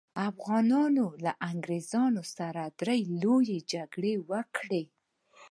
افغانانو له انګریزانو سره درې لويې جګړې وکړې.